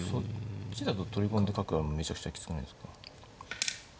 そっちだと取り込んで角あるのめちゃくちゃきつくないですか？